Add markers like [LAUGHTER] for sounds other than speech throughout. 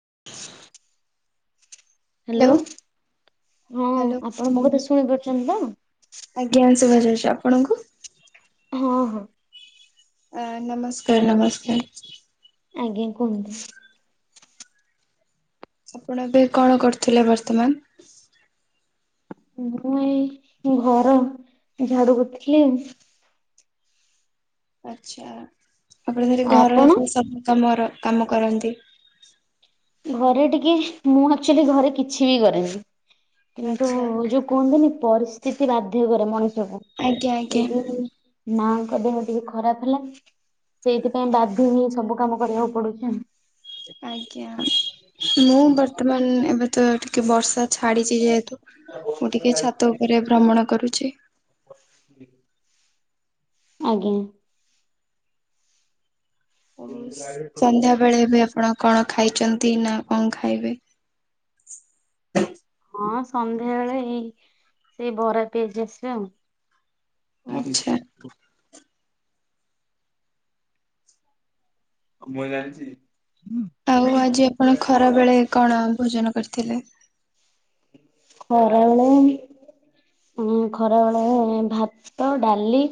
[UNINTELLIGIBLE] Hello ହଁ hello. ଆପଣ ମୋ କଥା ଶୁଣିପାରୁଛନ୍ତି ତ? ଆଜ୍ଞା, ଶୁଭାଯାଉଛି ଆପଣଙ୍କୁ? ହଁ ହଁ। ଅ ନମସ୍କାର, ନମସ୍କାର। ଆଜ୍ଞା, କୁହନ୍ତୁ। ଆପଣ ଏବେ କଣ କରୁଥିଲେ ବର୍ତ୍ତମାନ? ମୁଁ ଏଇ ଘର ଝାଡୁ କରୁଥିଲି। ଆଚ୍ଛା, ଆପଣ ଘରେ ଘରର ଆପଣ? ସବୁ କାମ କରନ୍ତି? ଘରେ ଟିକେ ମୁଁ ଆକ୍ଚୁଆଲି ଘରେ କିଛି ବି କରେନି କିନ୍ତୁ ଆଚ୍ଛା ଯୋଉ କୁହନ୍ତିନି ପରିସ୍ଥିତି ବାଧ୍ୟ କରେ ମଣିଷକୁ। ଆଜ୍ଞା ଆଜ୍ଞା। [UNINTELLIGIBLE] ମାଙ୍କ ଦେହ ଟିକେ ଖରାପ ହେଲା ସେଇଥି ପାଇଁ ବାଧ୍ୟ ହେଇ ସବୁ କାମ କରିବାକୁ ପଡୁଛି ଆଉ। ଆଜ୍ଞା ମୁଁ ବର୍ତ୍ତମାନ ଏବେ ତ ଟିକେ ବର୍ଷା ଛାଡ଼ିଛି ଯେହେତୁ ମୁଁ ଟିକେ ଛାତ ଉପରେ ଭ୍ରମଣ କରୁଛି। ଆଜ୍ଞା। ସନ୍ଧ୍ୟା ବେଳେ ବି ଆପଣ କଣ ଖାଇଛନ୍ତି ନା କଣ ଖାଇବେ? ହଁ ସନ୍ଧ୍ୟା ବଳେ ଏଇ ସେଇ ବରା, ପିଆଜି ଆସିବେ ଆଉ। ମତେ ଆଚ୍ଛା [UNINTELLIGIBLE] ମୁଁ ଜାଣିଛି। ଆଉ ଆଜି ଆପଣ ଖରା ବେଳେ କଣ ଭୋଜନ କରିଥିଲେ? ଖରାବେଳେ ଉ ଖରା ବେଳେ ଭାତ, ଡ଼ାଲି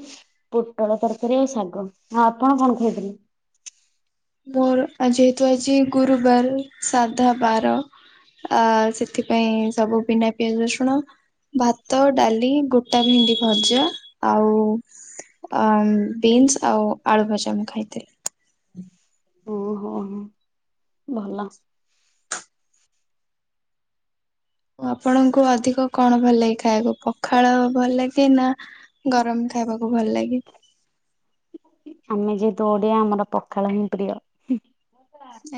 ପୋଟଳ ତରକାରୀ, ଆଉ ଶାଗ ଆଉ ଆପଣ କଣ ଖାଇଥିଲେ? ମୋର ଯେହେତୁ ଆଜି ଗୁରୁବାର ସାଧା ବାର। ଅ ସେଥିପାଇଁ ସବୁ ବିନା ପିଆଜ ରସୁଣ। ଭାତ, ଡ଼ାଲି ଗୋଟା ଭେଣ୍ଡି ଭଜା ଆଉ ଅ ବିନ୍ସ ଆଉ ଆଳୁ ଭଜା ମୁଁ ଖାଇଥିଲି। ଓହୋ, ହୋ। ଭଲ। ଆପଣଙ୍କୁ ଅଧିକ କଣ ଭଲ ଲାଗେ ଖାଇବାକୁ ପଖାଳ ଭଲ ଲାଗେ ନା ଗରମ ଖାଇବାକୁ ଭଲ ଲାଗେ? ଆମେ ଯେହେତୁ ଓଡ଼ିଆ ଆମର ପଖାଳ ହିଁ ପ୍ରିୟ।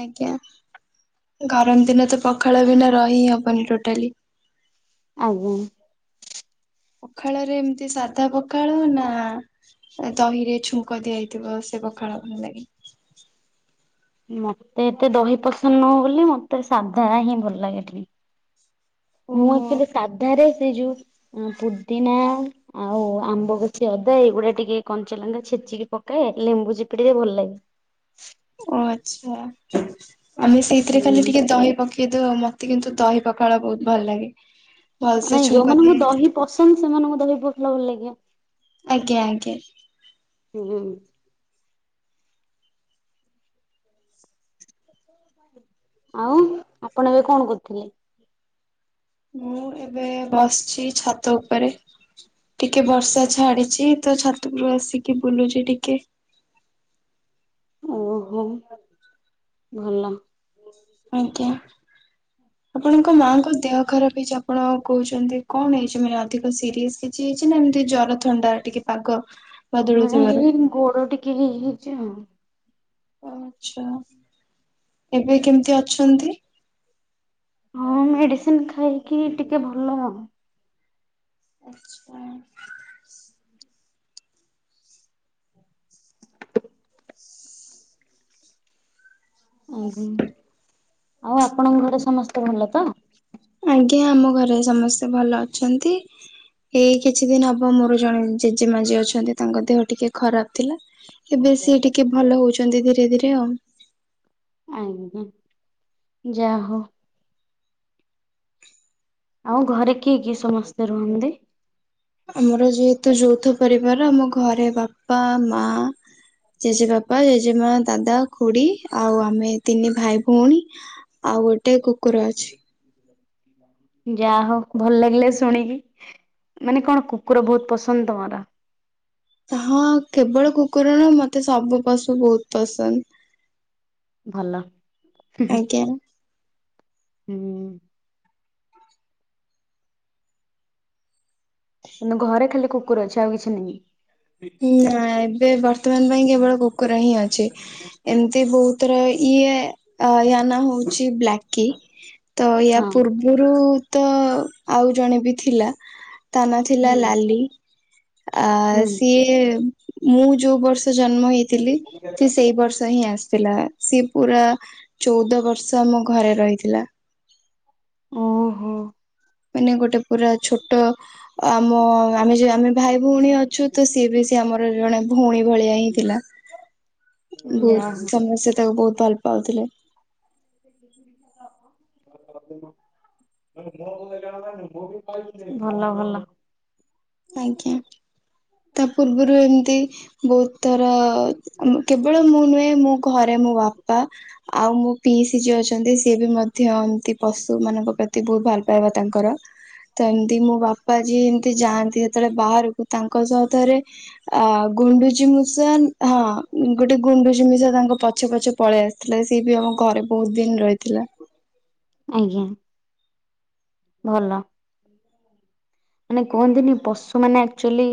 ଆଜ୍ଞା ଗରମ ଦିନ ତ ପଖାଳ ବିନା ରହିିଁ ହବନି ଟୋଟାଲି। ଆଜ୍ଞା। ପଖାଳ ରେ ଏମିତି ସାଧା ପଖାଳ ନା ଦହି ରେ ଛୁଙ୍କ ଦିଆହେଇଥିବ ସେ ପଖାଳ ଭଲ ଲାଗେ? ମତେ ଏତେ ଦହି ପସନ୍ଦ ନୁହଁ ବୋଲି ମତେ ସାଧା ହିଁ ଭଲ ଲାଗେ ଟିକେ। ମୁଁ ଓହୋ ଆକ୍ଚୁଆଲି ସାଧାରେ ସେ ଯୋଉ ପୁଦିନା ଆଉ ଆମ୍ବ କଷି ଅଦା ଏଇଗୁଡ଼ା ଟିକେ କଞ୍ଚା ଲଙ୍କା ଛେଚିକି ପକାଏ ଲେମ୍ବୁ ଚିପୁଡ଼ିଲେ ଭଲ ଲାଗେ। ଓ ଆଚ୍ଛା ଆମେ ସେଇଥିରେ ଖାଲି ହୁଁ ଟିକେ ଦହି ପ କିନ୍ତୁ ମତେ କିନ୍ତୁ ଦହି ପଖାଳ ବହୁତ ଭଲ ଲାଗେ। ଭଲସେ ନାଇଁ ଛୁଙ୍କ ଯୋଉମାନଙ୍କୁ ଦିଆହେଇଛି ଦହି ପସନ୍ଦ ସେମାନଙ୍କୁ ଦହି ପକେଇଲେ ଭଲ ଲାଗିବ। ଆଜ୍ଞା ଆଜ୍ଞା। ହୁଁ ହୁଁ। [INAUDIBLE] ଆଉ ଆପଣ ଏବେ କଣ କରୁଥିଲେ? ମୁଁ ଏବେ ବସିଛି ଛାତ ଉପରେ। ଟିକେ ବର୍ଷା ଛାଡିଛି ତ ଛାତ ଉପରୁ ଆସିକି ବୁଲୁଛି ଟିକେ। ଓହୋ ଭଲ ଆଜ୍ଞା। ଆପଣଙ୍କ ମାଆଙ୍କ ଦେହ ଖରାପ ହେଇଛି ଆପଣ କହୁଛନ୍ତି କଣ ହେଇଛି ଅଧିକ ସିରିଅସ୍ କିଛି କିଛି ନା ଏମିତି ଜର ଥଣ୍ଡା ଟିକେ ପାଗ ନାଇଁ ବଦଳୁଥିବାରୁ ଏଇ ଗୋଡ ଟିକେ ଇଏ ହେଉଛି ଆଉ ଆଛା ଏବେ କେମିତି ଅଛନ୍ତି? ହଁ ମେଡିସିନ ଖାଇକି ଟିକେ ଭଲ ଆଉ। ଆଛା। ଓହୋ, ଆଉ ଆପଣଙ୍କ ଘରେ ସମସ୍ତେ ଭଲ ତ? ଆଜ୍ଞା, ଆମ ଘରେ ସମସ୍ତେ ଭଲ ଅଛନ୍ତି। ଏଇ କିଛି ଦିନ ହବ ମୋର ଜଣେ ଜେଜେମା ଯିଏ ଅଛନ୍ତି ତାଙ୍କ ଦେହ ଟିକେ ଖରାପ ଥିଲା। ଏବେ ସି ଟିକେ ଭଲ ହଉଛନ୍ତି ଧୀରେ ଧୀରେ ଆଉ। ଆଜ୍ଞା ଯାହା ହଉ। ଆଉ ଘରେ କିଏ କିଏ ସମସ୍ତେ ରୁହନ୍ତି? ଆମର ଯେହେତୁ ଯୌଥ ପରିବାର ଆମ ଘରେ ବାପା ମା ଜେଜେ ବାପା ଜେଜେମା ଦାଦା ଖୁଡି ଆଉ ଆମେ ତିନି ଭାଇ ଭଉଣୀ ଆଉ ଗୋଟେ କୁକୁର ଅଛି। [INAUDIBLE] ଯାହା ହଉ ଭଲ ଲାଗିଲା ଶୁଣିକି। ମାନେ କଣ କୁକୁର ବହୁତ ପସନ୍ଦ ତମର? ହଁ କେବଳ କୁକୁର ନ ମତେ ସବୁ ପଶୁ ବହୁତ ପସନ୍ଦ। ଭଲ ହୁଁ ହୁଁ। ଆଜ୍ଞା। ହୁଁ। କିନ୍ତୁ ଘରେ ଖାଲି କୁକୁର ଅଛି ଆଉ କିଛି ନାହିଁ? ନା ଏବେ ବର୍ତ୍ତମାନ ପାଇଁ କେବଳ କୁକୁର ହିଁ ଅଛି। ଏମିତି ବହୁତର ଇଏ ୟା ନା ହଉଛି ବ୍ଲାକ୍ କି ତ ୟା ହଁ ପୂର୍ବରୁ ତ ଆଉ ଜଣେ ବି ଥିଲା। ତା ନାଁ ଥିଲା ହୁଁ ଲାଲି ଆ ହୁଁ ସିଏ ମୁଁ ଯୋଉ ବର୍ଷ ଜନ୍ମ ହେଇଥିଲି ସେ ସେଇ ବର୍ଷ ହିଁ ଆସ ଥିଲା ସିଏ ପୁରା ଚଉଦ ବର୍ଷ ଆମ ଘରେ ରହିଥିଲା। ଓହୋ। ମାନେ ଗୋଟେ ପୁରା ଛୋଟ ଆମ ଆମେ ଯଉ ଆମେ ଭାଇ ଭଉଣୀ ଅଛୁ ତ ସିଏ ବି ସି ଆମର ଜଣେ ଭଉଣୀ ଭଳିଆ ହିଁ ଥିଲା ଯାହା ବହୁତ ହଉ। ସମସ୍ତେ ତାକୁ ବହୁତ ଭଲ ପାଉଥିଲେ। [INAUDIBLE] ଭଲ ଭଲ। ଆଜ୍ଞା ତା ପୂର୍ବରୁ ଏମିତି ବହୁତ ତର କେବଳ ମୁଁ ନୁହେଁ ମୋ ଘରେ ମୋ ବାପା ଆଉ ମୁଁ ପିଇସି ଯିଏ ଅଛନ୍ତି ସିଏ ବି ମଧ୍ୟ ଏମିନ୍ତି ପଶୁ ମାନଙ୍କ ପ୍ରତି ବହୁତ ଭଲ ପାଇବା ତାଙ୍କର। ତ ଏମତି ମୋ ବାପା ଯିଏ ଏମିତି ଯାଆନ୍ତି ସେତେବେଳେ ବାହାରକୁ ତାଙ୍କ ସହ ଥରେ ଆ ଗୁଣ୍ଡୁଚିମୂଷା ହଁ ଗୋଟିଏ ଗୁଣ୍ଡୁଚିମୂଷା ତାଙ୍କ ପଛେ ପଛେ ପଳେଇ ଆ ଥିଲା ସିଏ ବି ଆମ ଘରେ ବହୁତ ଦିନ ରହିଥିଲା। ଆଜ୍ଞା ଭଲ। ମାନେ କୁହନ୍ତିନି ପଶୁ ମାନେ ଆକ୍ଚୁଆଲି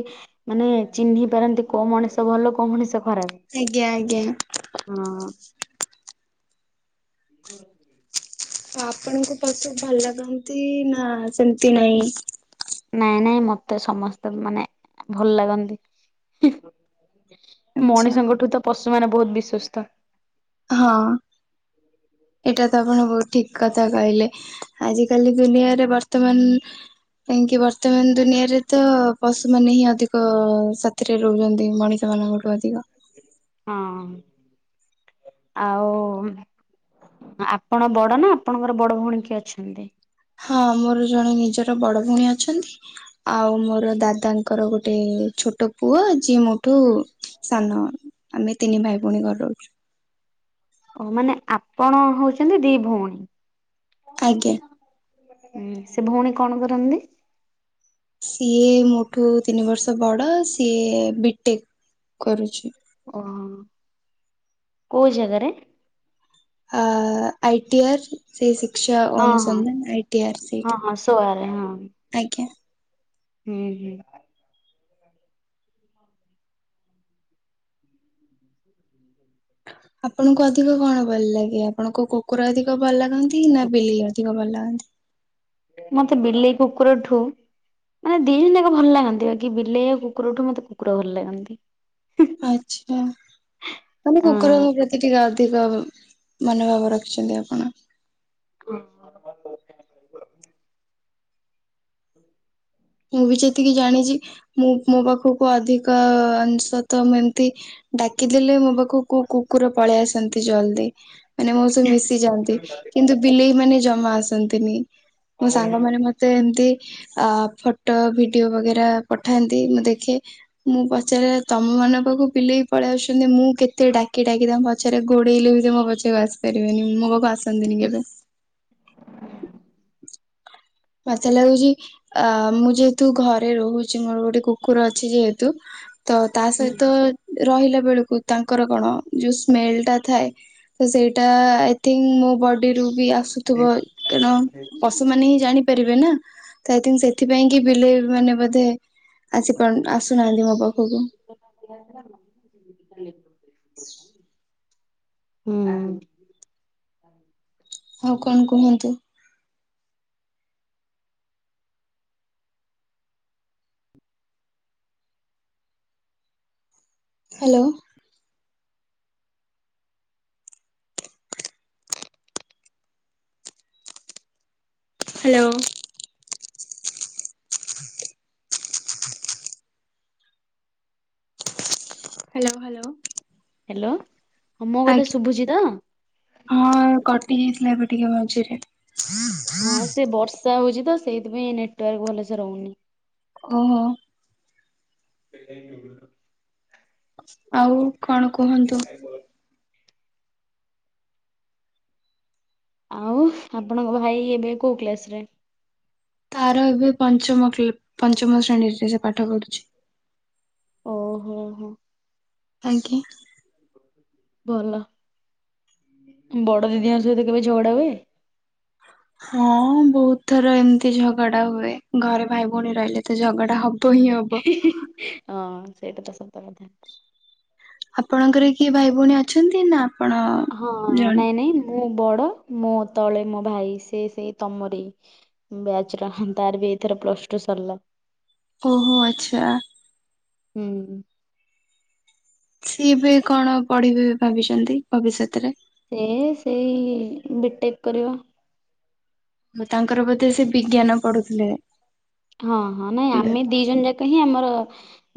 ମାନେ ଚିହ୍ନି ପାରନ୍ତି କୋଉ ମଣିଷ ଭଲ କୋଉ ମଣିଷ ଆଜ୍ଞା ଆଜ୍ଞା। ହଁଅ। ଆପଣଙ୍କୁ ପଶୁ ଭଲ ଲାଗନ୍ତି ନା ସେମିତି ନାଇ? ନାଇଁ ନାଇଁ ମତେ ସମସ୍ତେ ମାନେ ଭଲ ଲାଗନ୍ତି। ଆଚ୍ଛା ମଣିଷଙ୍କ ଠୁ ତ ପଶୁମାନେ ବହୁତ ବିଶ୍ଵସ୍ତ। ହଁ ଏଇଟା ତ ଆପଣ ବହୁତ ଠିକ୍ କଥା କହିଲେ। ଆଜିିକାଲି ଦୁନିଆରେ ବର୍ତ୍ତମାନ କାହିଁକି ବର୍ତ୍ତମାନ ଦୁନିଆରେ ତ ପଶୁମାନେ ହିଁ ଅଧିକ ସା ଥିରେ ରୁହନ୍ତି ମଣିଷ ମାନଙ୍କଠୁ ଅଧିକ। ହଁ ଆଉ ଆପଣ ବଡ଼ ନା ଆପଣଙ୍କର ବଡ଼ ଭଉଣୀ କିଏ ଅଛନ୍ତି? ହଁ ମୋର ଜଣେ ନିଜର ବଡ଼ ଭଉଣୀ ଅଛନ୍ତି। ଆଉ ମୋର ଦାଦାଙ୍କର ଗୋଟେ ଛୋଟ ପୁଅ ଯିଏ ମୋଠୁ ସାନ ଆମେ ତିନି ଭାଇ ଭଉଣୀ ଘରେ ରହୁଚୁ। ଓ ମାନେ ଆପଣ ହୋଉଛନ୍ତି ଦି ଭଉଣୀ? ଆଜ୍ଞା। ହୁଁ ସେ ଭଉଣୀ କଣ କରନ୍ତି? ସିଏ ମୋ ଠୁ ତିନି ବର୍ଷ ବଡ଼ ସିଏ ବିଟେକ୍ କରୁଛି। ଓହୋ କୋଉ ଜାଗାରେ? ଆ ଆଇଟିଆର୍ ସେଇ ଶିକ୍ଷା ହଁ ହଁ ଅନୁସନ୍ଧାନ ଆଇଟିଆର୍ ହଁ ହଁ ସୋଆରେ ହଁ। ଆଜ୍ଞା। ହୁଁ ହୁଁ। ଆପଣଙ୍କୁ ଅଧିକ କଣ ଭଲ ଲାଗେ ଆପଣଙ୍କୁ କୁକୁର ଅଧିକ ଭଲ ଲାଗ ନ୍ତି ନା ବିଲେଇ ଅଧିକ ଭଲ ଲାଗନ୍ତି? ମତେ ବିଲେଇ କୁକୁର ଠୁ ମାନେ ଦି ଜଣ ଯାକ ଭଲ ଲାଗନ୍ତି ବା କି ବିଲେଇ କୁକୁରଠୁ ମତେ କୁକୁର ଭଲ ଲାଗନ୍ତି। ଆଚ୍ଛା ମାନେ କୁକୁର ହଁ ସେ ଟିକେ ଅଧିକ ମନୋଭାବ ରଖିଛନ୍ତି ଆପଣ। [INAUDIBLE] ହୁଁ। ମୁଁ ବି ଯେତିକି ଜାଣିଛି ମୁଁ ମୋ ପାଖକୁ ଅଧିକାଂଶତ ମୁଁ ଏମତି ଡାକିଦେଲେ ମୋ ପାଖକୁ କୁକୁର ପଳେଇ ଆସନ୍ତି ଜଲ୍ଦି। ମାନେ ମୋ ସବୁ ମିଶିଯାଆନ୍ତି କିନ୍ତୁ ବିଲେଇ ମାନେ ଜମା ଆସନ୍ତିନି ମୋ ସାଙ୍ଗ ମାନ ମ ତ ଏମତି ଆ ଫଟୋ ଭିଡିଓ ବଗେରା ପଠାନ୍ତି ମୁଁ ଦେଖେ ମୁଁ ପଚାରିଲା ତମ ମାନଙ୍କ ପାଖକୁ ପିଲେଇି ପଳେଇ ଆସଛନ୍ତି ମୁଁ କେତେ ଡାକି ଆ ପଛରେ ଗୋଡେଇଲେ ବି ମୋ ପଛକୁ ଆସି ପାରିବେନି ମୋ ପାଖକୁ ଆସନ୍ତିନି କେବେ ନଥିଲେ ହେଉଚି ଆ ମୁଁ ଯେହେତୁ ଘରେ ରହୁଛି ମୋର ଗୋଟେ କୁକୁର ଅଛି ଯେହେତୁ ତ ତା ହୁଁ ସହିତ ରହିଲା ବେଳକୁ ତାଙ୍କର କଣ ଯୋଉ ସ୍ମେଲ ଟା ଥାଏ ସେ ସେଇଟା ଆଇ ଥିଙ୍କ ମୋ ବଡର ରୁୁ ବି ଆସୁ ଥିବ କାରଣ ପଶୁ ମାନ ହିଁ ଜାଣି ପାରିବେ ନା ତ ଏଥିପାଇଁ କି ବିଲେଇ ମାନେ ବୋଧେ ଆସି ଆସୁନାହାନ୍ତି ମୋ ପାଖକୁ। [UNINTELLIGIBLE] ହୁଁ। ଆଉ କଣ କୁହନ୍ତୁ? Hello. Hello. [INAUDIBLE] Hello hello. Hello, ହଁ ମୋ କଥାେ ଆଜ୍ଞା ଶୁଭୁଛି ତ? ହଁ କଟି ଯାଇଥିଲା ଏବେ ଟିକେ ମଝିରେ। ହଁ ସେ ବର୍ଷା ହଉଛି ତ ସେଇଥିପାଇଁ ନେଟୱାର୍କ ଭଲସେ ରହୁନି। ଓହୋ। [UNINTELLIGIBLE] ଆଉ କଣ କୁହନ୍ତୁ? ଆଉ ଆପଣଙ୍କ ଭାଇ ଏବେ କୋଉ କ୍ଲାସରେ? ତାର ଏବେ ପଞ୍ଚମ କ୍ଲେ ପଞ୍ଚମ ଶ୍ରେଣୀରେ ସେ ପାଠ ପଢୁଛି। ଓହୋ ହୋ। ଆଜ୍ଞ। ଭଲ ବଡ ଦିଦିଙ୍କ ସହିତ କେବେ ଝଗଡା ହୁଏ? ହଁ ବହୁତ ଥର ଏମିତି ଝଗଡା ହୁଏ, ଘରେ ଭାଇ ଭଉଣୀ ରହିଲେ ତ ଝଗଡା ହବ। ହିଁ ହିଁ ହିଁ ହଁ ସେଇଟା ତ ସତ କଥା। ଆପଣଙ୍କର କିଏ ଭାଇ ଭଉଣୀ ଅଛନ୍ତି ନା? ଆପଣ ହଁ ଜଣେ? ନାଇଁ ନାଇଁ ମୁଁ ବଡ ମୁଁ ତଳେ ମୋ ଭାଇ ସେ ସେ ତମରି ବ୍ୟାଚର ତାର ବି ଏଥର ପ୍ଲସ ଟୁ ସରିଲା। ଓହୋ ଆଚ୍ଛା। ହୁଁ ହୁଁ। ସିଏ ବି କଣ ପଢିବେ ଭାବିଛନ୍ତି ଭବିଷ୍ୟତରେ? ସେ ସେଇ ବିଟେକ୍ କରିବ। ତାଙ୍କର ବୋଧେ ସେ ବିଜ୍ଞାନ ପଢୁଥିଲେ। ହଁ ହଁ ନାଇଁ ଆମେ ଦି ଜଣ ଯାକ ହିଁ ଆମର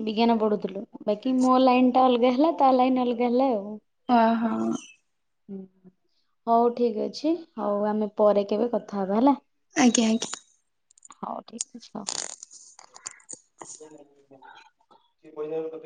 ବିଜ୍ଞାନ ପଢୁଥିଲୁ। ବାକି ମୋ ଲାଇନ ଟା ଅଲଗା ହେଲା ତା ଲାଇନ ଅଲଗା ହେଲା ଆଉ। ହଁ ହଁ। ହୁଁ ହଉ ଠିକ ଅଛି ହଉ ଆମେ ପରେ କେବେ କଥା ହବା ହେଲା। ଆଜ୍ଞା ଆଜ୍ଞା। ହଉ ଠିକ ଅଛି ହଉ। [UNINTELLIGIBLE]